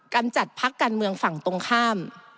กำจัดพักการเมืองฝั่งตรงข้าม